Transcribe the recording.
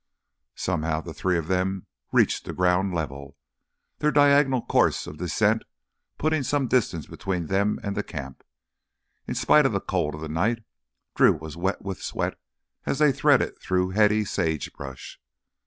Somehow the three of them reached ground level, their diagonal course of descent putting some distance between them and the camp. In spite of the cold of the night, Drew was wet with sweat as they threaded through heady sage brush.